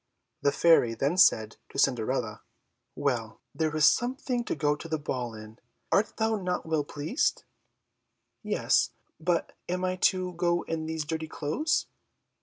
The Fairy then said to Cinderella, "Well, there is something to go to the ball in. Art thou not well pleased?" "Yes; but am I to go in these dirty clothes?"